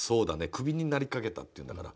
クビになりかけたっていうんだから。